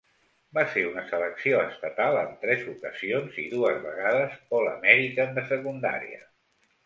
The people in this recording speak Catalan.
Va ser una selecció estatal en tres ocasions i dues vegades All-American de secundària.